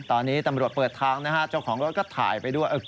ตอนนี้ตำรวจเปิดทางนะฮะเจ้าของรถก็ถ่ายไปด้วย